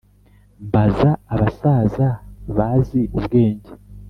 Mbaza abasaza bazi ubwenge